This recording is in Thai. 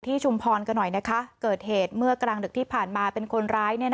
ชุมพรกันหน่อยนะคะเกิดเหตุเมื่อกลางดึกที่ผ่านมาเป็นคนร้าย